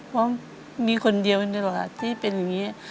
เพราะมีคนเดียวในตลาดที่เป็นอย่างนี้